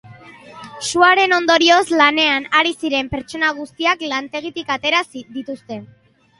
Sutearen ondorioz, lanean ari ziren pertsona guztiak lantegitik atera dituzte.